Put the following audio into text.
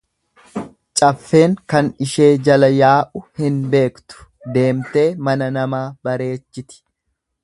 Caffeen kan ishee jala yaa'u hin beektu deemtee mana namaa bareechiti.